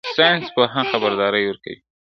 ساینس پوهان خبرداری ورکوي.